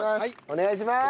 お願いします！